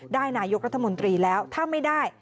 นายกรัฐมนตรีแล้วถ้าไม่ได้